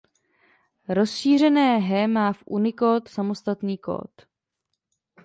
Rozšířené he má v Unicode samostatný kód.